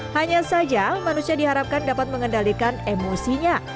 hanya saja manusia diharapkan dapat mengendalikan emosinya